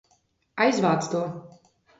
Aizvāc to!